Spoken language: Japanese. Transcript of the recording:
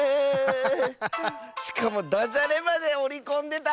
しかもだじゃれまでおりこんでた！